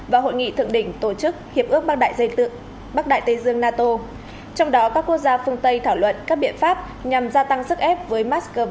và hội nghị thượng đỉnh tổ chức hiệp ước bắc đại tự bắc đại tây dương nato trong đó các quốc gia phương tây thảo luận các biện pháp nhằm gia tăng sức ép với moscow